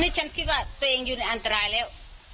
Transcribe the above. ฉันคิดว่าตัวเองอยู่ในอันตรายแล้ว